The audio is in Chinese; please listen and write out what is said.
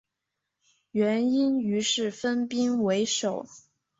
元英于是分兵围守。